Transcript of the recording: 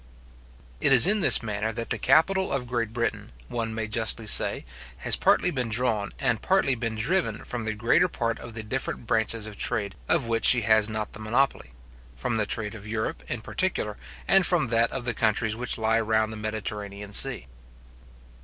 It is in this manner that the capital of Great Britain, one may justly say, has partly been drawn and partly been driven from the greater part of the different branches of trade of which she has not the monopoly; from the trade of Europe, in particular, and from that of the countries which lie round the Mediterranean sea.